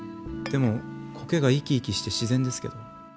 でも苔が生き生きして自然ですけど。